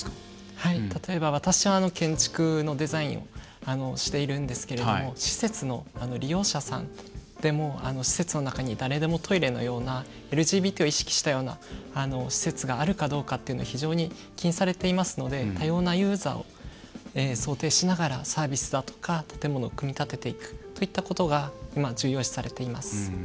はい、例えば私は建築のデザインをしているんですけども施設の利用者さんでも施設の中に誰でもトイレのようなＬＧＢＴを意識したような施設があるかどうかというのを非常に気にされていますので多様なユーザーを想定しながらサービスだとか、建物を組み立てていくといったことが今、重要視されています。